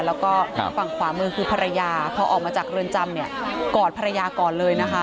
แล้วก็ฝั่งขวามือคือภรรยาพอออกมาจากเรือนจำเนี่ยกอดภรรยาก่อนเลยนะคะ